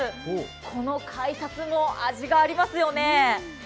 この改札も味がありますよね。